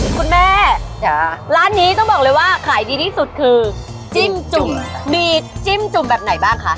คุณแม่ร้านนี้ต้องบอกเลยว่าขายดีที่สุดคือจิ้มจุ่มมีจิ้มจุ่มแบบไหนบ้างคะ